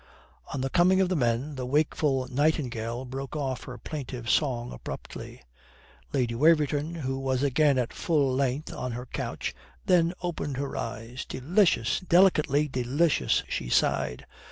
On the coming of the men the wakeful nightingale broke off her plaintive song abruptly. Lady Waverton, who was again at full length on her couch, then opened her eyes. "Delicious, delicately delicious," she sighed.